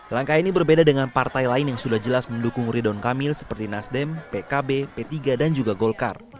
langkah ini berbeda dengan partai lain yang sudah jelas mendukung ridwan kamil seperti nasdem pkb p tiga dan juga golkar